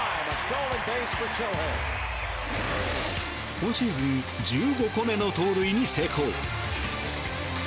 今シーズン１５個目の盗塁に成功。